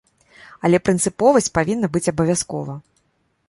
Але прынцыповасць павінна быць абавязкова.